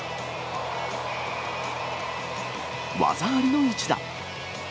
技ありの一打。